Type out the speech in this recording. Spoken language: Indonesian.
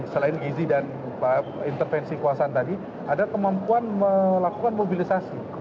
selain gizi dan intervensi kekuasaan tadi ada kemampuan melakukan mobilisasi